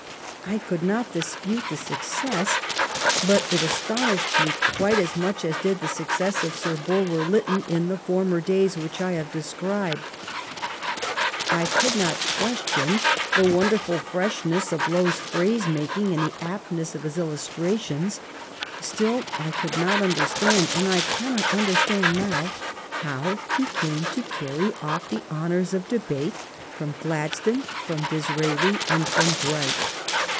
I could not dispute the success, but it astonished me quite as much as did the success of Sir Bulwer Lytton in the former days which I have described. I could not question the wonderful freshness of Lowe's phrase making, and the aptness of his illustrations. Still, I could not understand, and I cannot understand now, how he Carrie to carry off the honors of debate from Gladstone, from Disraeli, and from Bright.